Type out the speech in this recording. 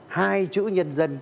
hai chữ nhân dân